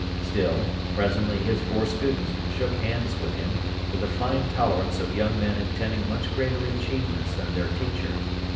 Still, presently his four students shook hands with him, with the fine tolerance of young men intending much greater achievements than their teacher.